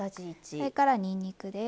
それからにんにくです